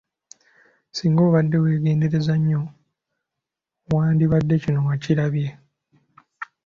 Singa obadde weegenderezza nyo wandibadde kino waakirabye.